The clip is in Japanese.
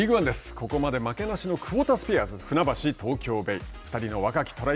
ここまで負けなしのクボタスピアーズ船橋・東京ベイ。